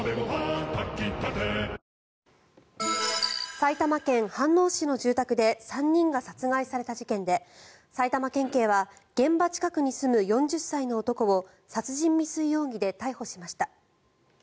埼玉県飯能市の住宅で３人が殺害された事件で埼玉県警は現場近くに住む４０歳の男を殺人未遂容疑で逮捕しました。